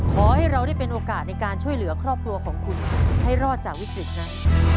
ขอให้เราได้เป็นโอกาสในการช่วยเหลือครอบครัวของคุณให้รอดจากวิกฤตนั้น